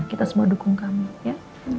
kita semua dukung kami ya